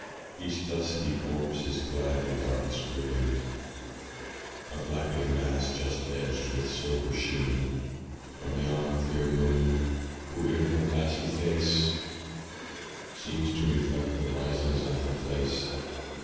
Each dusky copse is clad in darkest green: A blackening mass, just edged with silver sheen From yon clear moon, who in her glassy face Seems to reflect the risings of the place.